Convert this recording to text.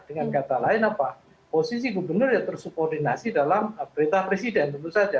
dengan kata lain apa posisi gubernur ya tersubordinasi dalam berita presiden tentu saja